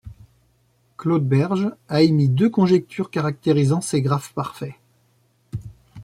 Claude Berge a émis deux conjectures caractérisant ces graphes parfaits.